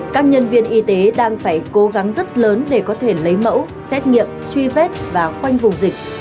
các nhân viên y tế đang phải cố gắng rất lớn để có thể lấy mẫu xét nghiệm truy vết và khoanh vùng dịch